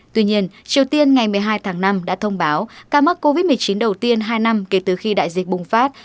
tuy nhiên triều tiên ngày một mươi hai tháng năm đã thông báo ca mắc covid một mươi chín đầu tiên hai năm kể từ khi đại dịch bùng phát